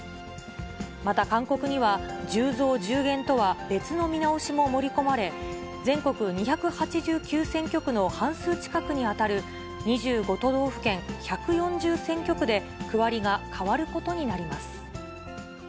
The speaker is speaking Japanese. また、勧告には１０増１０減とは別の見直しも盛り込まれ、全国２８９選挙区の半数近くに当たる２５都道府県１４０選挙区で、区割りが変わることになります。